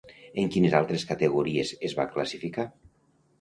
En quines altres categories es va classificar?